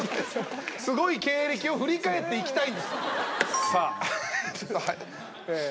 すごい経歴を振り返っていきたいんです。